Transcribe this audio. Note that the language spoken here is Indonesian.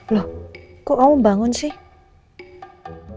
loh kok kamu membangun sih